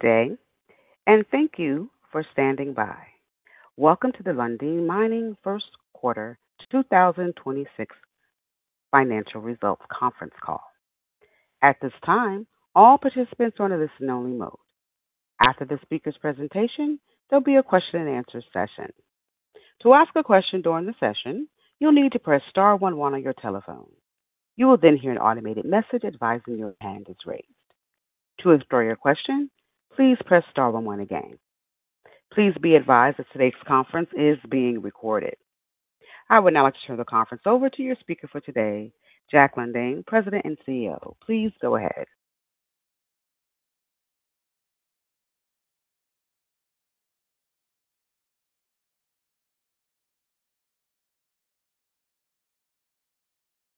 Good day, and thank you for standing by. Welcome to the Lundin Mining first quarter two thousand and twenty-six financial results conference call. At this time, all participants are in a listen only mode. After the speaker's presentation, there'll be a question and answer session. To ask a question during the session, you'll need to press star one one on your telephone. You will then hear an automated message advising your hand is raised. To withdraw your question, please press star one one again. Please be advised that today's conference is being recorded. I would now like to turn the conference over to your speaker for today, Jack Lundin, President and CEO. Please go ahead.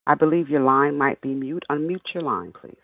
I believe your line might be mute. Unmute your line, please.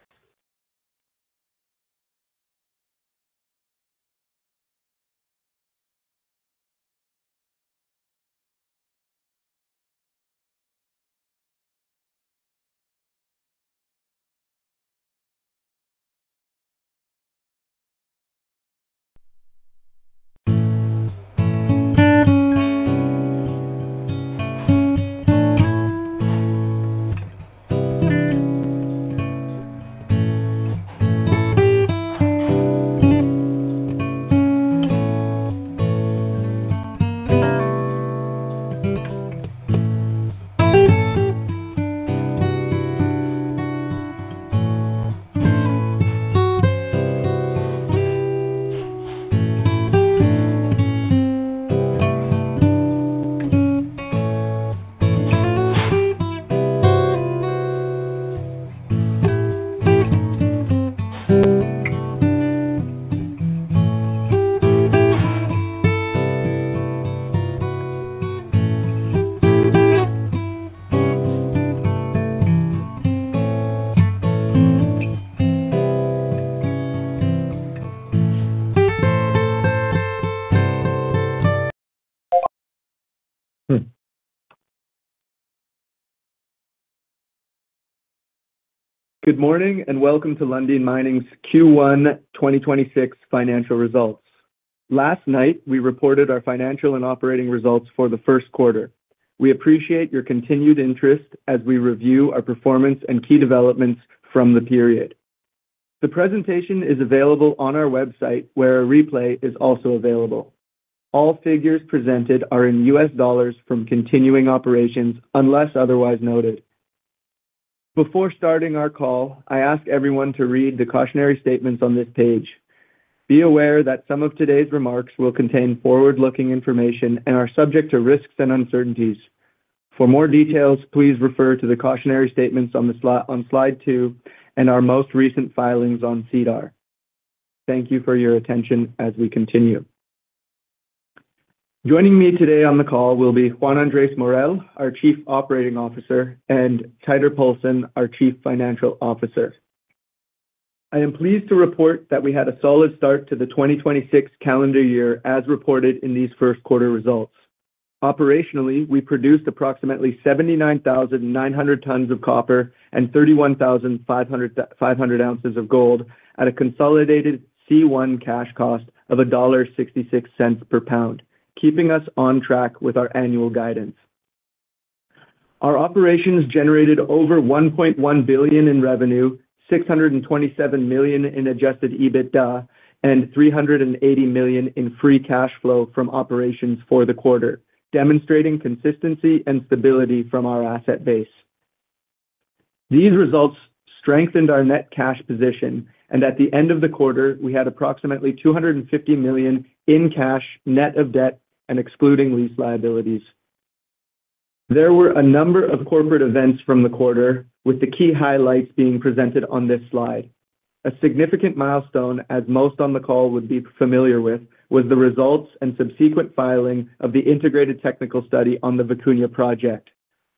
Good morning. Welcome to Lundin Mining's Q1 2026 financial results. Last night, we reported our financial and operating results for the first quarter. We appreciate your continued interest as we review our performance and key developments from the period. The presentation is available on our website, where a replay is also available. All figures presented are in U.S. dollars from continuing operations unless otherwise noted. Before starting our call, I ask everyone to read the cautionary statements on this page. Be aware that some of today's remarks will contain forward-looking information and are subject to risks and uncertainties. For more details, please refer to the cautionary statements on slide 2 and our most recent filings on SEDAR. Thank you for your attention as we continue. Joining me today on the call will be Juan Andrés Morel, our Chief Operating Officer, and Teitur Poulsen, our Chief Financial Officer. I am pleased to report that we had a solid start to the 2026 calendar year as reported in these first quarter results. Operationally, we produced approximately 79,900 tonnes of copper and 31,500 ounces of gold at a consolidated C1 cash cost of $1.66 per pound, keeping us on track with our annual guidance. Our operations generated over $1.1 billion in revenue, $627 million in adjusted EBITDA, and $380 million in free cash flow from operations for the quarter, demonstrating consistency and stability from our asset base. These results strengthened our net cash position. At the end of the quarter, we had approximately $250 million in cash, net of debt and excluding lease liabilities. There were a number of corporate events from the quarter with the key highlights being presented on this slide. A significant milestone, as most on the call would be familiar with, was the results and subsequent filing of the integrated technical study on the Vicuña project,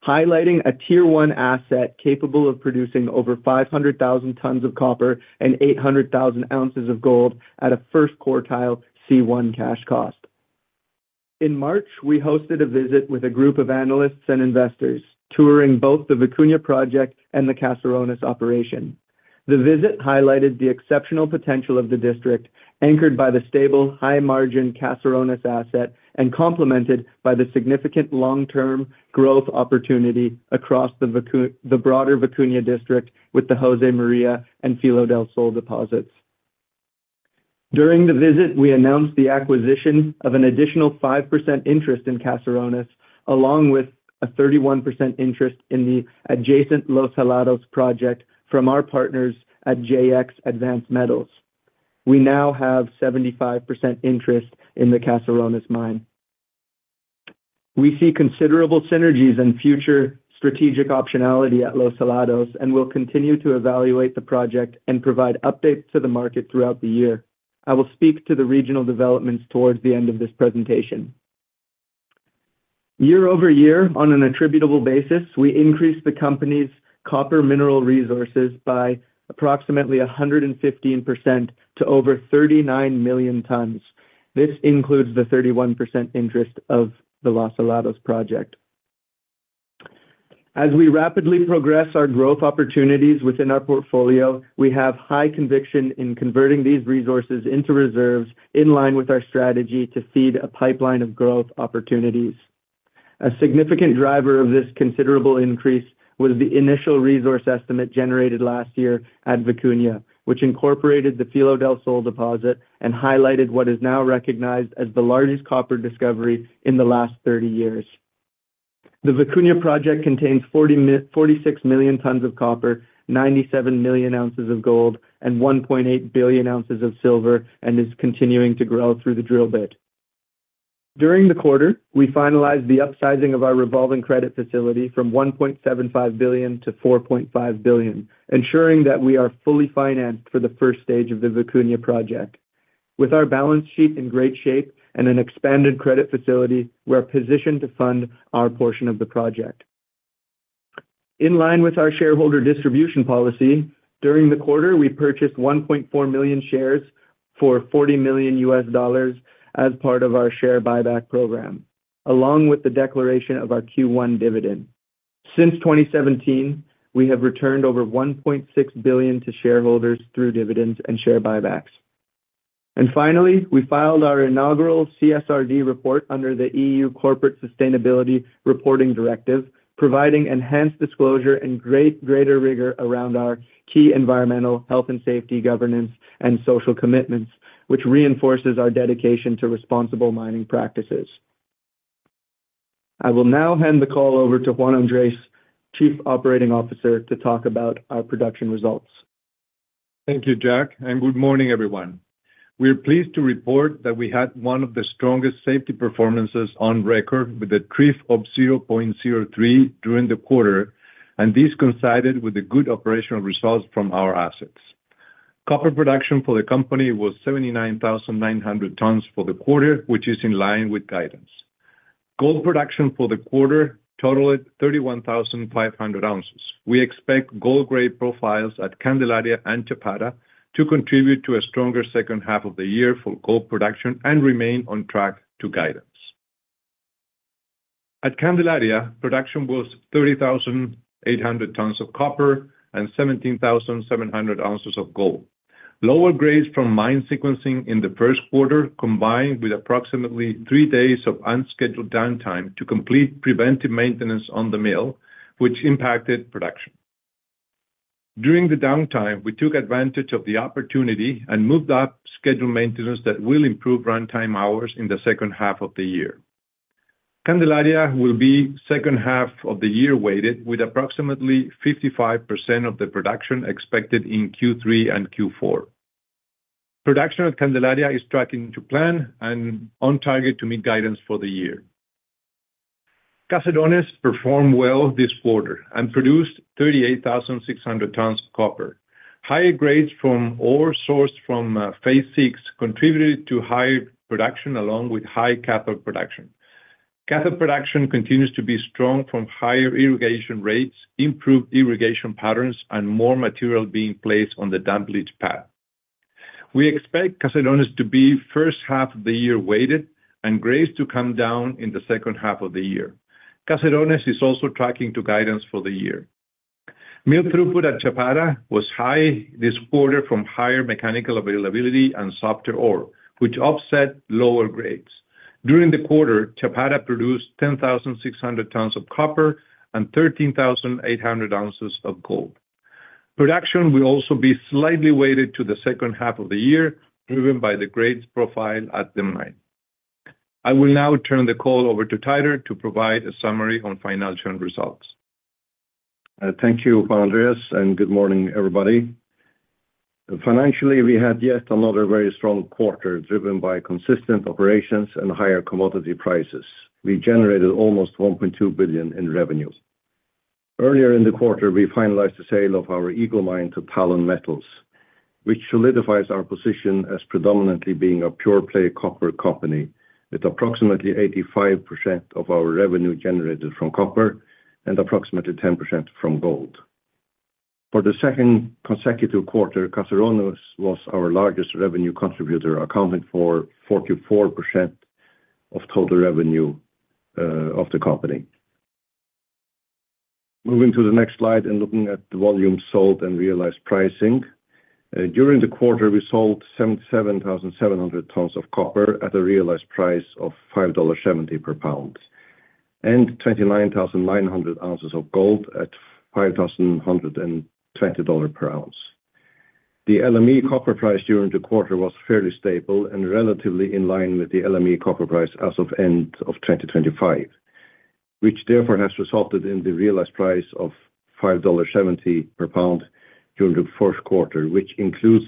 highlighting a Tier 1 asset capable of producing over 500,000 tonnes of copper and 800,000 ounces of gold at a first quartile C1 cash cost. In March, we hosted a visit with a group of analysts and investors, touring both the Vicuña project and the Caserones operation. The visit highlighted the exceptional potential of the district, anchored by the stable high margin Caserones asset and complemented by the significant long-term growth opportunity across the broader Vicuña district with the Josemaria and Filo del Sol deposits. During the visit, we announced the acquisition of an additional 5% interest in Caserones, along with a 31% interest in the adjacent Los Helados Project from our partners at JX Advanced Metals. We now have 75% interest in the Caserones mine. We see considerable synergies and future strategic optionality at Los Helados, we'll continue to evaluate the project and provide updates to the market throughout the year. I will speak to the regional developments towards the end of this presentation. Year-over-year on an attributable basis, we increased the company's copper mineral resources by approximately 115% to over 39 million tonnes. This includes the 31% interest of the Los Helados Project. as we rapidly progress our growth opportunities within our portfolio, we have high conviction in converting these resources into reserves in line with our strategy to feed a pipeline of growth opportunities. A significant driver of this considerable increase was the initial resource estimate generated last year at Vicuña, which incorporated the Filo del Sol deposit and highlighted what is now recognized as the largest copper discovery in the last 30 years. The Vicuña project contains 46 million tonnes of copper, 97 million ounces of gold, and 1.8 billion ounces of silver, and is continuing to grow through the drill bit. During the quarter, we finalized the upsizing of our revolving credit facility from $1.75 billion to $4.5 billion, ensuring that we are fully financed for the first stage of the Vicuña project. With our balance sheet in great shape and an expanded credit facility, we're positioned to fund our portion of the project. In line with our shareholder distribution policy, during the quarter, we purchased 1.4 million shares for $40 million as part of our share buyback program, along with the declaration of our Q1 dividend. Since 2017, we have returned over $1.6 billion to shareholders through dividends and share buybacks. Finally, we filed our inaugural CSRD report under the EU Corporate Sustainability Reporting Directive, providing enhanced disclosure and greater rigor around our key environmental, health and safety, governance and social commitments, which reinforces our dedication to responsible mining practices. I will now hand the call over to Juan Andrés, Chief Operating Officer, to talk about our production results. Thank you, Jack, and good morning, everyone. We are pleased to report that we had one of the strongest safety performances on record with a TRIF of 0.03 during the quarter, and this coincided with the good operational results from our assets. Copper production for the company was 79,900 tonnes for the quarter, which is in line with guidance. Gold production for the quarter totaled 31,500 ounces. We expect gold grade profiles at Candelaria and Chapada to contribute to a stronger second half of the year for gold production and remain on track to guidance. At Candelaria, production was 30,800 tonnes of copper and 17,700 ounces of gold. Lower grades from mine sequencing in the first quarter combined with approximately three days of unscheduled downtime to complete preventive maintenance on the mill, which impacted production. During the downtime, we took advantage of the opportunity and moved up scheduled maintenance that will improve runtime hours in the second half of the year. Candelaria will be second half of the year weighted with approximately 55% of the production expected in Q3 and Q4. Production at Candelaria is tracking to plan and on target to meet guidance for the year. Caserones performed well this quarter and produced 38,600 tonnes of copper. Higher grades from ore sourced from Phase 6 contributed to higher production along with high cathode production. Cathode production continues to be strong from higher irrigation rates, improved irrigation patterns, and more material being placed on the dump leach pad. We expect Caserones to be first half of the year weighted and grades to come down in the second half of the year. Caserones is also tracking to guidance for the year. Mill throughput at Chapada was high this quarter from higher mechanical availability and softer ore, which offset lower grades. During the quarter, Chapada produced 10,600 tonnes of copper and 13,800 ounces of gold. Production will also be slightly weighted to the second half of the year, driven by the grades profile at the mine. I will now turn the call over to Teitur to provide a summary on financial results. Thank you, Juan Andrés, good morning, everybody. Financially, we had yet another very strong quarter, driven by consistent operations and higher commodity prices. We generated almost $1.2 billion in revenue. Earlier in the quarter, we finalized the sale of our Eagle Mine to Talon Metals, which solidifies our position as predominantly being a pure play copper company, with approximately 85% of our revenue generated from copper and approximately 10% from gold. For the second consecutive quarter, Caserones was our largest revenue contributor, accounting for 44% of total revenue of the company. Moving to the next slide, looking at the volume sold and realized pricing. During the quarter, we sold 77,700 tonnes of copper at a realized price of $5.70 per pound and 29,900 ounces of gold at $5,120 per ounce. The LME copper price during the quarter was fairly stable and relatively in line with the LME copper price as of end of 2025, which therefore has resulted in the realized price of $5.70 per pound during the first quarter, which includes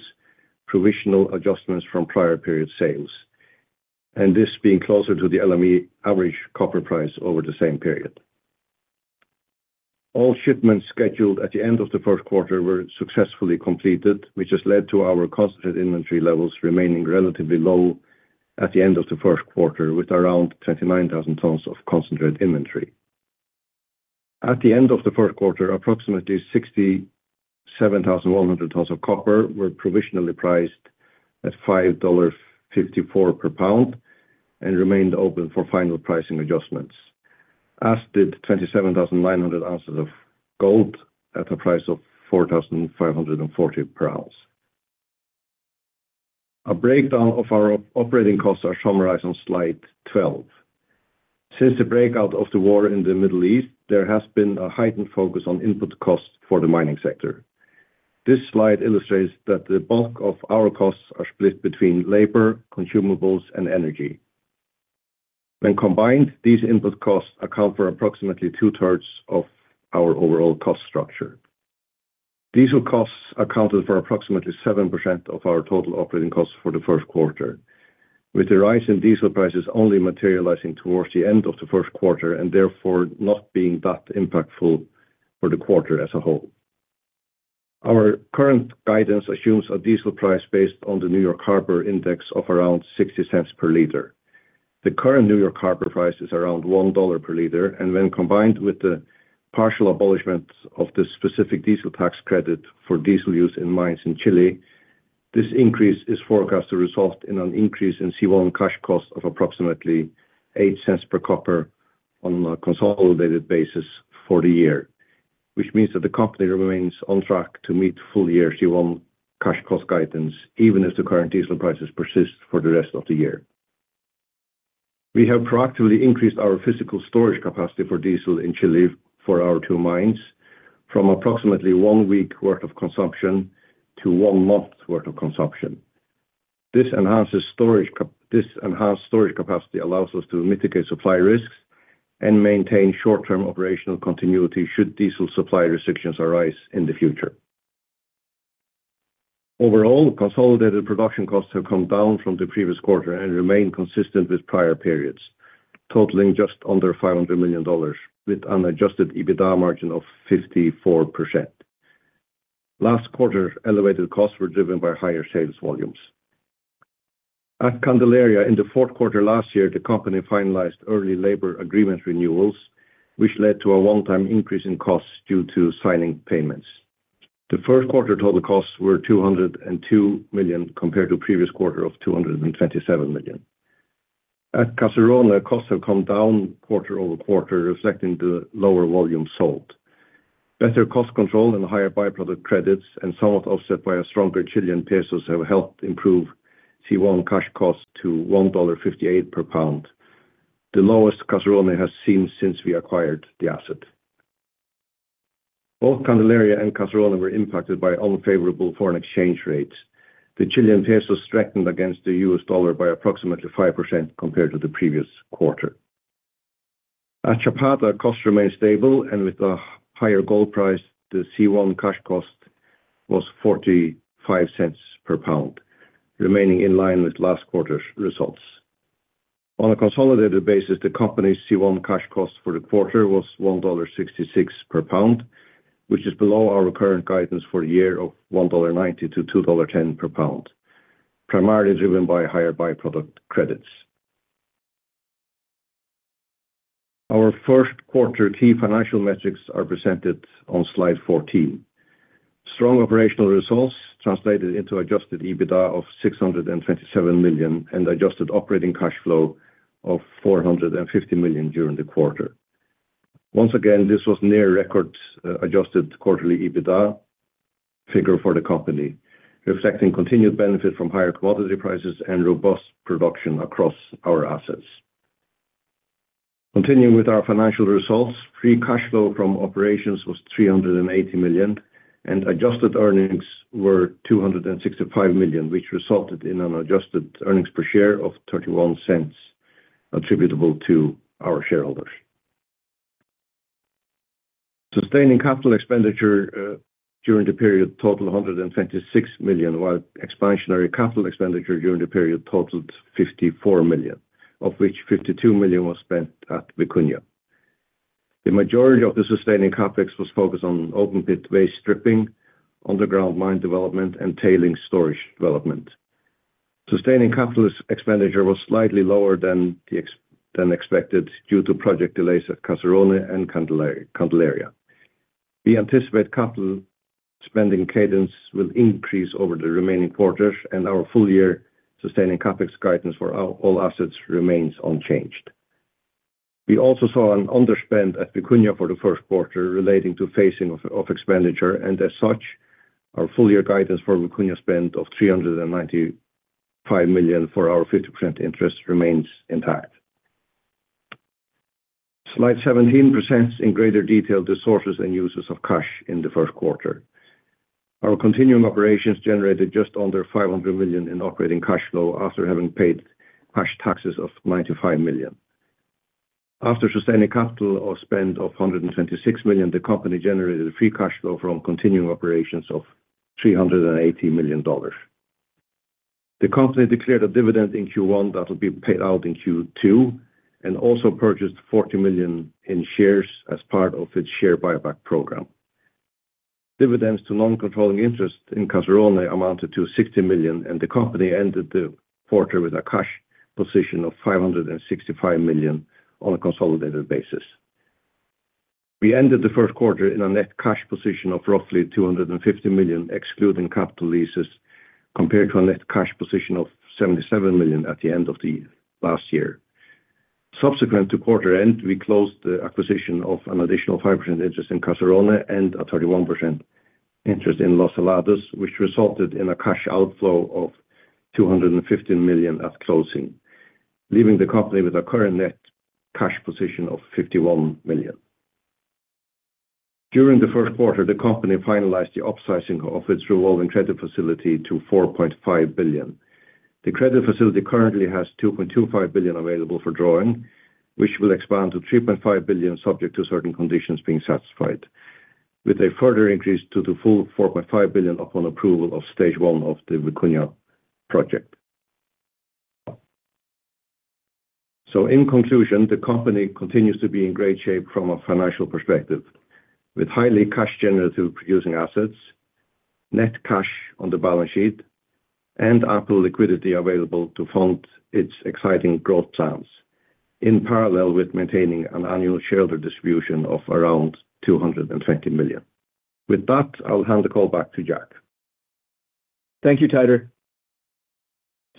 provisional adjustments from prior period sales, and this being closer to the LME average copper price over the same period. All shipments scheduled at the end of the first quarter were successfully completed, which has led to our concentrate inventory levels remaining relatively low at the end of the first quarter, with around 29,000 tonnes of concentrate inventory. At the end of the first quarter, approximately 67,100 tonnes of copper were provisionally priced at $5.54 per pound and remained open for final pricing adjustments, as did 27,900 ounces of gold at a price of $4,540 per ounce. A breakdown of our operating costs are summarized on slide 12. Since the breakout of the war in the Middle East, there has been a heightened focus on input costs for the mining sector. This slide illustrates that the bulk of our costs are split between labor, consumables, and energy. When combined, these input costs account for approximately two-thirds of our overall cost structure. Diesel costs accounted for approximately 7% of our total operating costs for the first quarter, with the rise in diesel prices only materializing towards the end of the first quarter and therefore not being that impactful for the quarter as a whole. Our current guidance assumes a diesel price based on the New York Harbor index of around $0.60 per liter. The current New York Harbor price is around $1 per liter, and when combined with the partial abolishment of the specific diesel tax credit for diesel use in mines in Chile, this increase is forecast to result in an increase in C1 cash cost of approximately $0.08 per copper on a consolidated basis for the year, which means that the company remains on track to meet full year C1 cash cost guidance, even as the current diesel prices persist for the rest of the year. We have proactively increased our physical storage capacity for diesel in Chile for our two mines from approximately one week worth of consumption to one month worth of consumption. This enhanced storage capacity allows us to mitigate supply risks and maintain short-term operational continuity should diesel supply restrictions arise in the future. Overall, consolidated production costs have come down from the previous quarter and remain consistent with prior periods, totaling just under $500 million with an adjusted EBITDA margin of 54%. Last quarter, elevated costs were driven by higher sales volumes. At Candelaria in the fourth quarter last year, the company finalized early labor agreement renewals, which led to a one-time increase in costs due to signing payments. The first quarter total costs were $202 million, compared to previous quarter of $227 million. At Caserones, costs have come down quarter-over-quarter, reflecting the lower volume sold. Better cost control and higher by-product credits and somewhat offset by a stronger Chilean peso have helped improve C1 cash cost to $1.58 per pound, the lowest Caserones has seen since we acquired the asset. Both Candelaria and Caserones were impacted by unfavorable foreign exchange rates. The Chilean peso strengthened against the U.S. dollar by approximately 5% compared to the previous quarter. At Chapada, costs remained stable. With a higher gold price, the C1 cash cost was $0.45 per pound, remaining in line with last quarter's results. On a consolidated basis, the company's C1 cash cost for the quarter was $1.66 per pound, which is below our current guidance for a year of $1.90-$2.10 per pound, primarily driven by higher by-product credits. Our first quarter key financial metrics are presented on slide 14. Strong operational results translated into adjusted EBITDA of $627 million and adjusted operating cash flow of $450 million during the quarter. Once again, this was near record adjusted quarterly EBITDA figure for the company, reflecting continued benefit from higher commodity prices and robust production across our assets. Continuing with our financial results, free cash flow from operations was $380 million, and adjusted earnings were $265 million, which resulted in an adjusted earnings per share of $0.31 attributable to our shareholders. Sustaining capital expenditure during the period totaled $126 million, while expansionary capital expenditure during the period totaled $54 million, of which $52 million was spent at Vicuña. The majority of the sustaining CapEx was focused on open pit waste stripping, underground mine development, and tailings storage development. Sustaining capital expenditure was slightly lower than expected due to project delays at Caserones and Candelaria. Our full-year sustaining CapEx guidance for our all assets remains unchanged. We also saw an underspend at Vicuña for the first quarter relating to phasing of expenditure. As such, our full-year guidance for Vicuña spend of $395 million for our 50% interest remains intact. Slide 17 presents in greater detail the sources and uses of cash in the first quarter. Our continuing operations generated just under $500 million in operating cash flow after having paid cash taxes of $95 million. After sustaining capital or spend of $126 million, the company generated free cash flow from continuing operations of $380 million. The company declared a dividend in Q1 that will be paid out in Q2 and also purchased $40 million in shares as part of its share buyback program. Dividends to non-controlling interest in Caserones amounted to $60 million. The company ended the quarter with a cash position of $565 million on a consolidated basis. We ended the first quarter in a net cash position of roughly $250 million, excluding capital leases, compared to a net cash position of $77 million at the end of last year. Subsequent to quarter end, we closed the acquisition of an additional 5% interest in Caserones and a 31% interest in Los Helados, which resulted in a cash outflow of $215 million at closing, leaving the company with a current net cash position of $51 million. During the first quarter, the company finalized the upsizing of its revolving credit facility to $4.5 billion. The credit facility currently has $2.25 billion available for drawing, which will expand to $3.5 billion subject to certain conditions being satisfied, with a further increase to the full $4.5 billion upon approval of Stage 1 of the Vicuña project. In conclusion, the company continues to be in great shape from a financial perspective, with highly cash generative producing assets, net cash on the balance sheet, and ample liquidity available to fund its exciting growth plans, in parallel with maintaining an annual shareholder distribution of around $220 million. With that, I'll hand the call back to Jack Lundin. Thank you,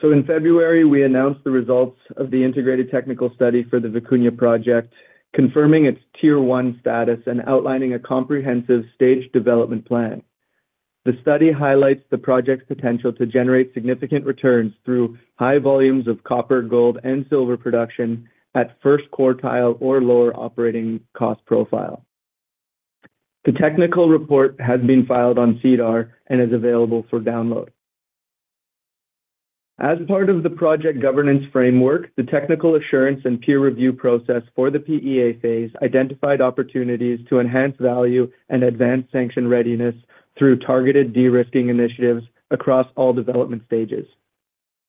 Teitur. In February, we announced the results of the integrated technical study for the Vicuña project, confirming its Tier 1 status and outlining a comprehensive stage development plan. The study highlights the project's potential to generate significant returns through high volumes of copper, gold, and silver production at first quartile or lower operating cost profile. The technical report has been filed on SEDAR and is available for download. As part of the project governance framework, the technical assurance and peer review process for the PEA phase identified opportunities to enhance value and advance sanction readiness through targeted de-risking initiatives across all development stages.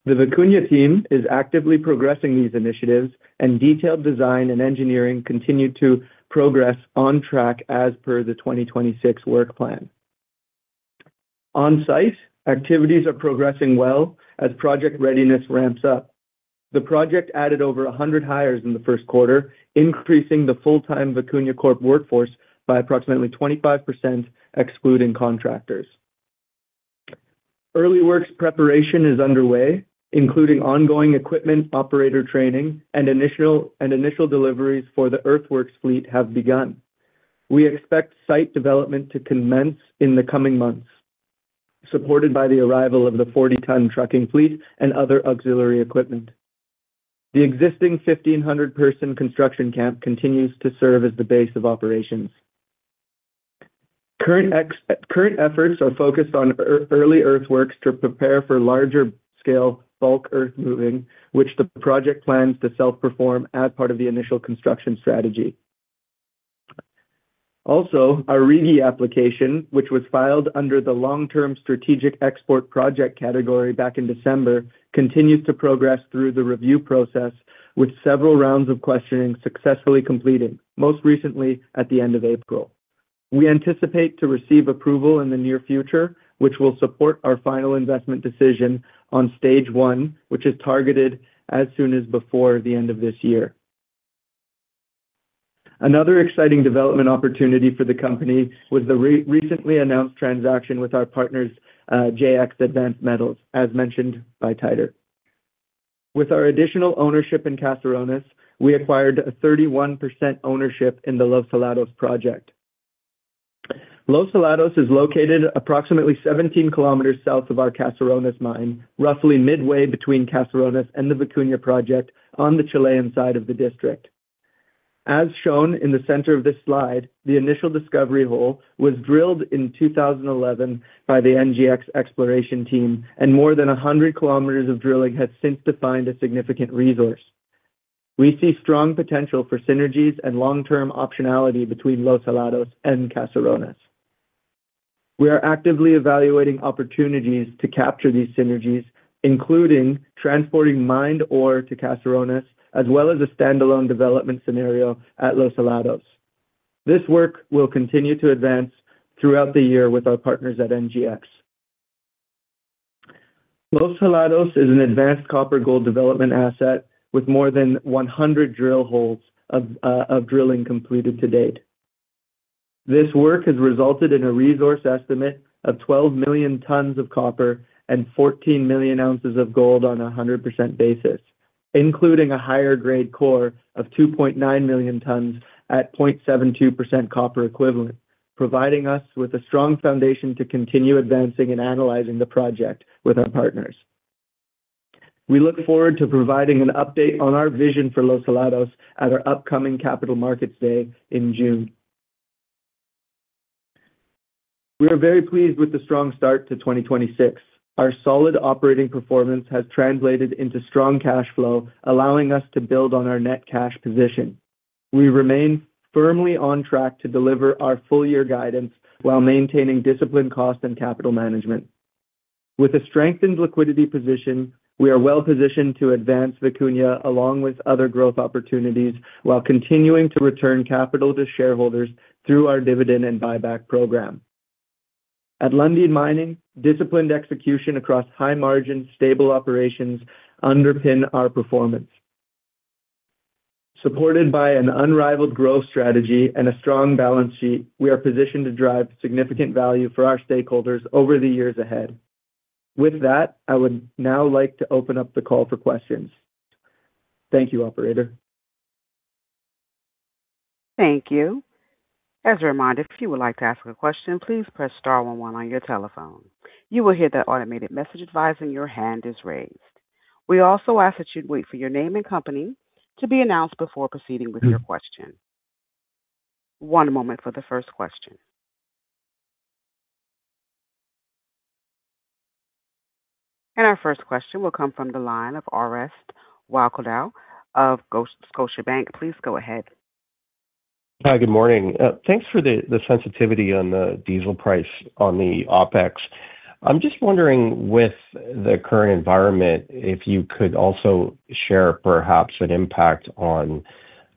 The Vicuña team is actively progressing these initiatives, and detailed design and engineering continue to progress on track as per the 2026 work plan. On-site, activities are progressing well as project readiness ramps up. The project added over 100 hires in the first quarter, increasing the full-time Vicuña Corp workforce by approximately 25%, excluding contractors. Early works preparation is underway, including ongoing equipment operator training and initial deliveries for the earthworks fleet have begun. We expect site development to commence in the coming months, supported by the arrival of the 40-tonne trucking fleet and other auxiliary equipment. The existing 1,500 person construction camp continues to serve as the base of operations. Current efforts are focused on early earthworks to prepare for larger scale bulk earth moving, which the project plans to self-perform as part of the initial construction strategy. Our RIGI application, which was filed under the Long-Term Strategic Export Project category back in December, continues to progress through the review process with several rounds of questioning successfully completed, most recently at the end of April. We anticipate to receive approval in the near future, which will support our final investment decision on Stage 1, which is targeted as soon as before the end of this year. Another exciting development opportunity for the company was the recently announced transaction with our partners, JX Advanced Metals, as mentioned by Teitur. With our additional ownership in Caserones, we acquired a 31% ownership in the Los Helados Project. Los Helados is located approximately 17 km south of our Caserones mine, roughly midway between Caserones and the Vicuña project on the Chilean side of the district. As shown in the center of this slide, the initial discovery hole was drilled in 2011 by the NGEx exploration team. More than 100 km of drilling has since defined a significant resource. We see strong potential for synergies and long-term optionality between Los Helados and Caserones. We are actively evaluating opportunities to capture these synergies, including transporting mined ore to Caserones, as well as a standalone development scenario at Los Helados. This work will continue to advance throughout the year with our partners at NGEx. Los Helados is an advanced copper gold development asset with more than 100 drill holes of drilling completed to date. This work has resulted in a resource estimate of 12 million tonnes of copper and 14 million ounces of gold on a 100% basis, including a higher grade core of 2.9 million tonnes at 0.72% copper equivalent, providing us with a strong foundation to continue advancing and analyzing the project with our partners. We look forward to providing an update on our vision for Los Helados at our upcoming Capital Markets Day in June. We are very pleased with the strong start to 2026. Our solid operating performance has translated into strong cash flow, allowing us to build on our net cash position. We remain firmly on track to deliver our full year guidance while maintaining disciplined cost and capital management. With a strengthened liquidity position, we are well-positioned to advance Vicuña along with other growth opportunities while continuing to return capital to shareholders through our dividend and buyback program. At Lundin Mining, disciplined execution across high margin stable operations underpin our performance. Supported by an unrivaled growth strategy and a strong balance sheet, we are positioned to drive significant value for our stakeholders over the years ahead. With that, I would now like to open up the call for questions. Thank you, operator. Thank you. As a reminder, if you would like to ask a question, please press star 11 on your telephone. You will hear the automated message advising your hand is raised. We also ask that you'd wait for your name and company to be announced before proceeding with your question. One moment for the first question. Our first question will come from the line of Orest Wowkodaw of Scotiabank. Please go ahead. Hi, good morning. Thanks for the sensitivity on the diesel price on the OpEx. I'm just wondering, with the current environment, if you could also share perhaps an impact on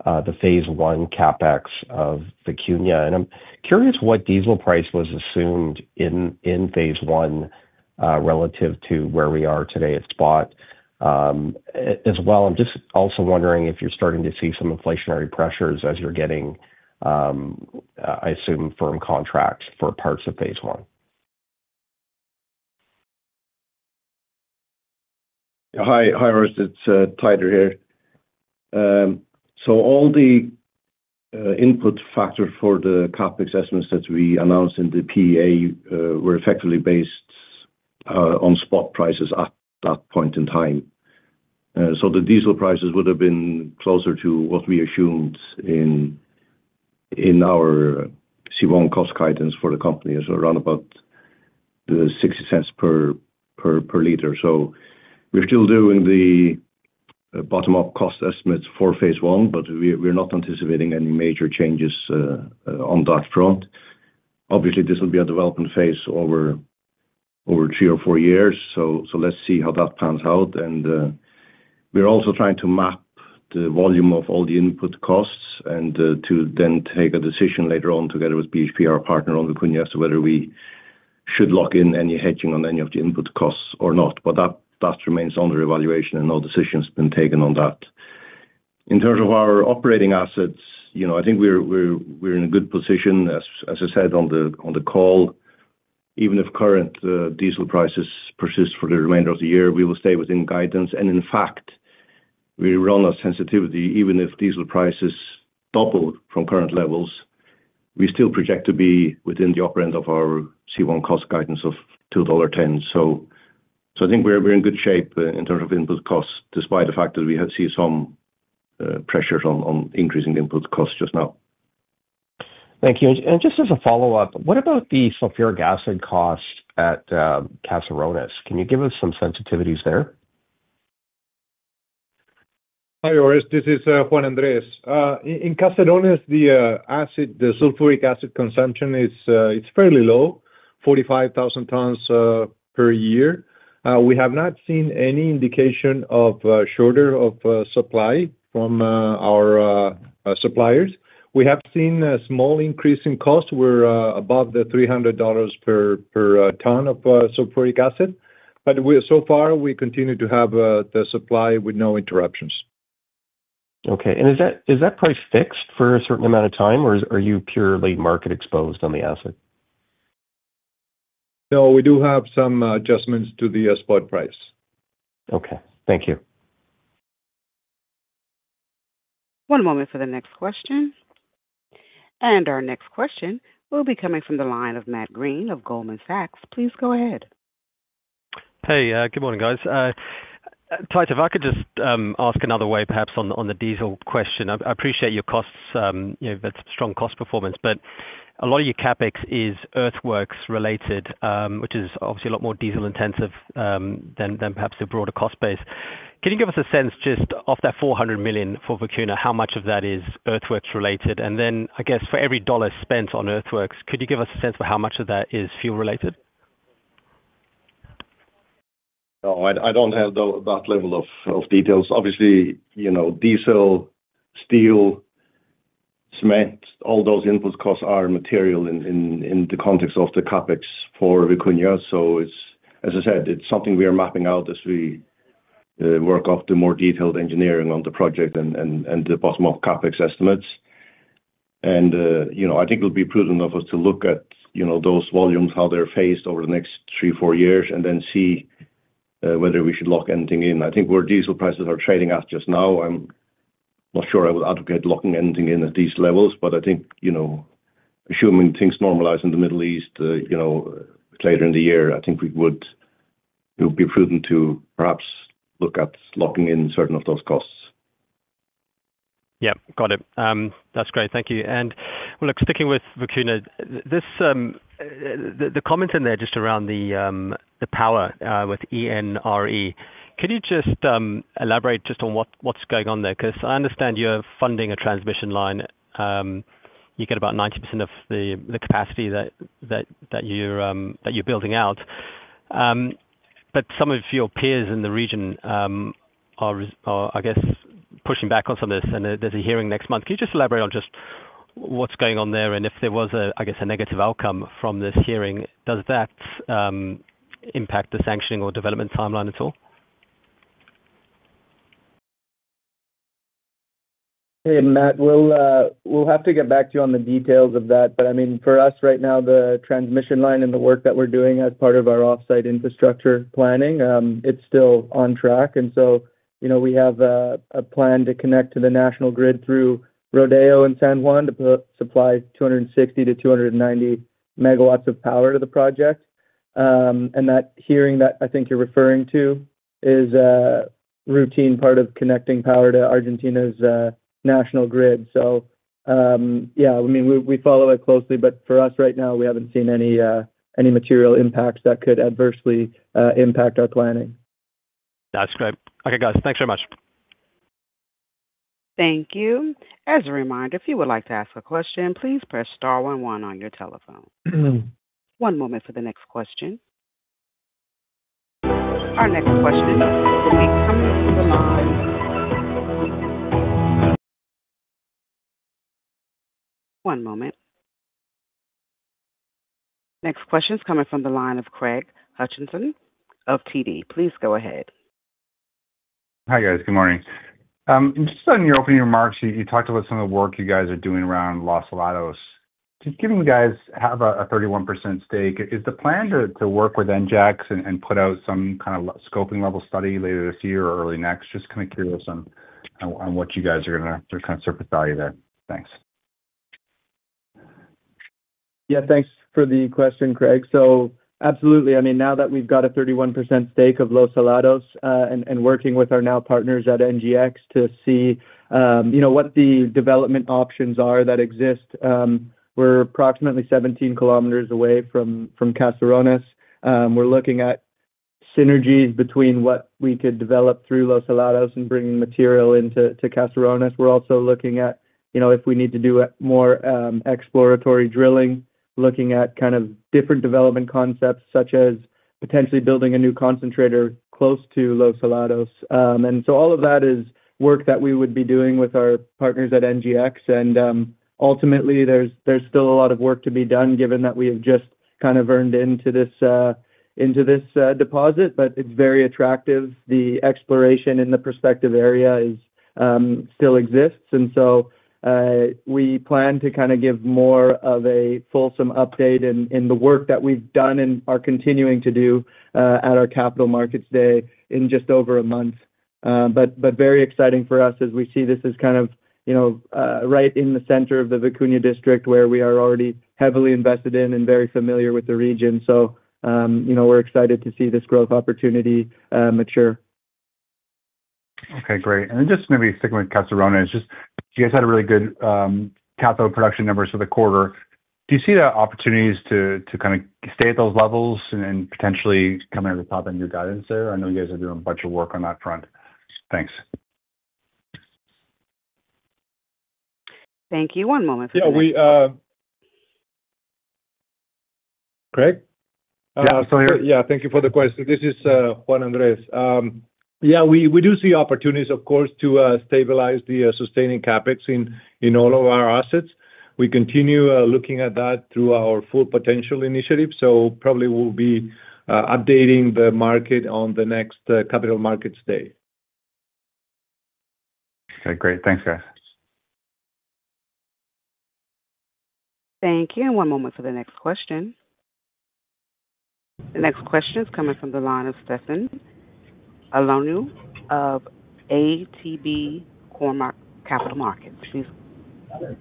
the Phase 1 CapEx of the Vicuña. I'm curious what diesel price was assumed in Phase 1 relative to where we are today at spot. As well, I'm just also wondering if you're starting to see some inflationary pressures as you're getting, I assume firm contracts for parts of Phase 1. Hi Orest, it's Teitur here. All the input factor for the CapEx estimates that we announced in the PEA were effectively based on spot prices at that point in time. The diesel prices would have been closer to what we assumed in our C1 cost guidance for the company. Around about the $0.60 per liter. We're still doing the bottom-up cost estimates for Phase 1, but we're not anticipating any major changes on that front. Obviously, this will be a development phase over three or four years. Let's see how that pans out. We are also trying to map the volume of all the input costs to then take a decision later on together with BHP, our partner on Vicuña, as to whether we should lock in any hedging on any of the input costs or not. That remains under evaluation and no decision has been taken on that. In terms of our operating assets, you know, I think we're in a good position as I said on the call. Even if current diesel prices persist for the remainder of the year, we will stay within guidance. In fact, we ran a sensitivity even if diesel prices doubled from current levels, we still project to be within the upper end of our C1 cost guidance of $2.10. I think we're in good shape in terms of input costs, despite the fact that we have see some pressures on increasing input costs just now. Thank you. Just as a follow-up, what about the sulfuric acid costs at Caserones? Can you give us some sensitivities there? Hi, Orest, this is Juan Andrés. In Caserones, the sulfuric acid consumption is fairly low, 45,000 tonnes per year. We have not seen any indication of shortage of supply from our suppliers. We have seen a small increase in cost. We're above $300 per tonne of sulfuric acid, so far we continue to have the supply with no interruptions. Okay. Is that price fixed for a certain amount of time, or are you purely market exposed on the acid? No, we do have some adjustments to the spot price. Okay. Thank you. One moment for the next question. Our next question will be coming from the line of Matt Greene of Goldman Sachs. Please go ahead. Hey, good morning, guys. Teitur, if I could just ask another way perhaps on the, on the diesel question. I appreciate your costs, you know, that's strong cost performance, but a lot of your CapEx is earthworks related, which is obviously a lot more diesel-intensive than perhaps the broader cost base. Can you give us a sense just of that $400 million for Vicuña, how much of that is earthworks related? I guess for every $1 spent on earthworks, could you give us a sense for how much of that is fuel-related? No, I don't have that level of details. Obviously, you know, diesel, steel, cement, all those input costs are material in the context of the CapEx for Vicuña. It's, as I said, it's something we are mapping out as we work up the more detailed engineering on the project and the bottom-up CapEx estimates. You know, I think it'll be prudent of us to look at, you know, those volumes, how they're phased over the next three, four years, and then see whether we should lock anything in. I think where diesel prices are trading at just now, I'm not sure I would advocate locking anything in at these levels. I think, you know, assuming things normalize in the Middle East, you know, later in the year, I think it would be prudent to perhaps look at locking in certain of those costs. Yeah. Got it. That's great. Thank you. Sticking with Vicuña, this, the comment in there just around the power with ENRE. Could you just elaborate on what's going on there? 'Cause I understand you're funding a transmission line. You get about 90% of the capacity that you're building out. Some of your peers in the region are I guess pushing back on some of this, and there's a hearing next month. Can you just elaborate on what's going on there, and if there was a, I guess, a negative outcome from this hearing, does that impact the sanctioning or development timeline at all? Hey, Matt. We'll have to get back to you on the details of that. I mean, for us right now, the transmission line and the work that we're doing as part of our offsite infrastructure planning, it's still on track. You know, we have a plan to connect to the national grid through Rodeo and San Juan to supply 260 MW-290 MW of power to the project. That hearing that I think you're referring to is a routine part of connecting power to Argentina's national grid. Yeah, I mean, we follow it closely, but for us right now, we haven't seen any material impacts that could adversely impact our planning. That's great. Okay, guys, thanks so much. Thank you. As a reminder, if you would like to ask a question, please press star one one on your telephone. One moment for the next question. Next question is coming from the line of Craig Hutchison of TD Securities. Please go ahead. Hi, guys. Good morning. Just on your opening remarks, you talked about some of the work you guys are doing around Los Helados. Just given you guys have a 31% stake, is the plan to work with NGEx and put out some kind of scoping level study later this year or early next? Just kinda curious on what you guys are gonna or kinda surface value there. Thanks. Yeah, thanks for the question, Craig. Absolutely. I mean, now that we've got a 31% stake of Los Helados, and working with our now partners at NGEx to see, you know, what the development options are that exist, we're approximately 17 km away from Caserones. We're looking at synergies between what we could develop through Los Helados and bringing material into Caserones. We're also looking at, you know, if we need to do more exploratory drilling, looking at kind of different development concepts such as potentially building a new concentrator close to Los Helados. All of that is work that we would be doing with our partners at NGEx. Ultimately, there's still a lot of work to be done given that we have just kind of earned into this deposit, but it's very attractive. The exploration in the prospective area is still exists. We plan to kind of give more of a fulsome update in the work that we've done and are continuing to do at our Capital Markets Day in just over a month. But very exciting for us as we see this as kind of, you know, right in the center of the Vicuña District, where we are already heavily invested in and very familiar with the region. You know, we're excited to see this growth opportunity mature. Okay, great. Just maybe sticking with Caserones, just you guys had a really good cathode production numbers for the quarter. Do you see the opportunities to kinda stay at those levels and potentially come out with top-end new guidance there? I know you guys are doing a bunch of work on that front. Thanks. Thank you. One moment for the next. Yeah, we, Craig? Yeah, still here. Yeah, thank you for the question. This is Juan Andrés. Yeah, we do see opportunities, of course, to stabilize the sustaining CapEx in all of our assets. We continue looking at that through our full potential initiative, so probably we'll be updating the market on the next Capital Markets Day. Okay, great. Thanks, guys. Thank you. One moment for the next question. The next question is coming from the line of Stefan Ioannou of ATB Cormark Capital Markets. Please go ahead.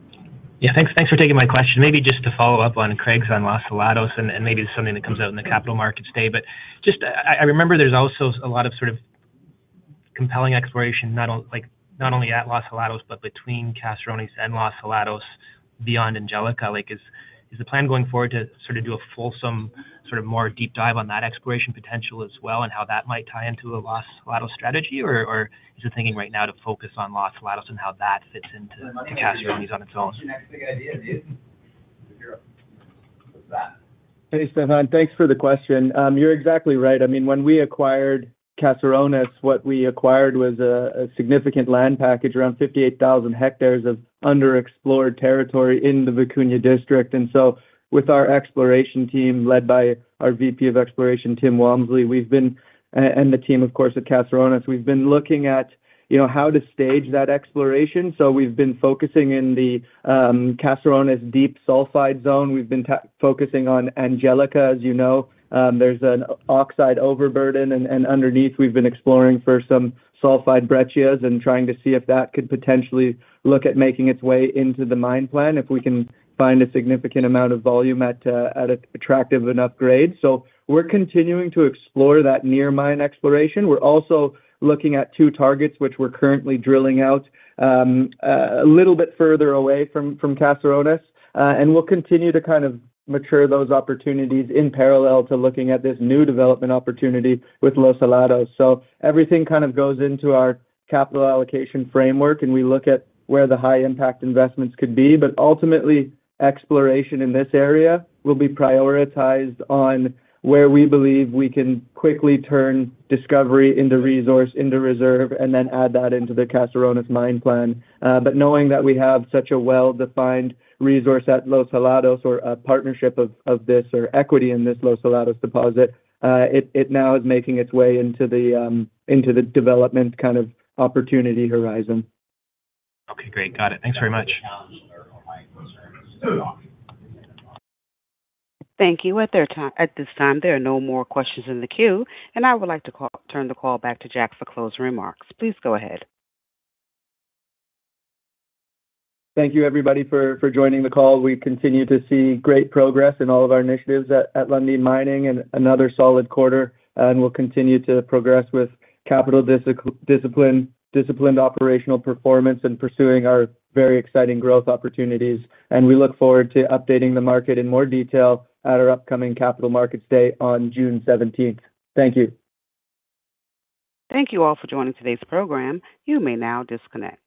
Yeah, thanks for taking my question. Maybe just to follow up on Craig's on Los Helados and maybe something that comes out in the Capital Markets Day. Just I remember there's also a lot of sort of compelling exploration like, not only at Los Helados, but between Caserones and Los Helados beyond Angelica. Like, is the plan going forward to sort of do a fulsome sort of more deep dive on that exploration potential as well and how that might tie into a Los Helados strategy, or, is the thinking right now to focus on Los Helados and how that fits into Caserones on its own? Hey, Stefan. Thanks for the question. You're exactly right. I mean, when we acquired Caserones, what we acquired was a significant land package, around 58,000 hectares of underexplored territory in the Vicuña District. With our exploration team led by our VP of Exploration, Tim Walmsley, we've been and the team, of course, at Caserones, we've been looking at, you know, how to stage that exploration. We've been focusing in the Caserones deep sulfide zone. We've been focusing on Angelica, as you know. There's an oxide overburden and underneath, we've been exploring for some sulfide breccias and trying to see if that could potentially look at making its way into the mine plan, if we can find a significant amount of volume at a attractive enough grade. We're continuing to explore that near mine exploration. We're also looking at two targets, which we're currently drilling out, a little bit further away from Caserones, and we'll continue to kind of mature those opportunities in parallel to looking at this new development opportunity with Los Helados. Everything kind of goes into our capital allocation framework, and we look at where the high impact investments could be. Ultimately, exploration in this area will be prioritized on where we believe we can quickly turn discovery into resource, into reserve, and then add that into the Caserones mine plan. Knowing that we have such a well-defined resource at Los Helados or a partnership of this or equity in this Los Helados deposit, it now is making its way into the development kind of opportunity horizon. Okay, great. Got it. Thanks very much. Thank you. At this time, there are no more questions in the queue, and I would like to turn the call back to Jack Lundin for closing remarks. Please go ahead. Thank you, everybody, for joining the call. We continue to see great progress in all of our initiatives at Lundin Mining and another solid quarter, and we'll continue to progress with capital discipline, disciplined operational performance and pursuing our very exciting growth opportunities. We look forward to updating the market in more detail at our upcoming Capital Markets Day on June 17th. Thank you. Thank you all for joining today's program. You may now disconnect.